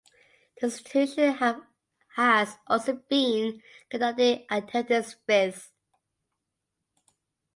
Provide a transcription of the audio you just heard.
The institution has also been conducting activities viz.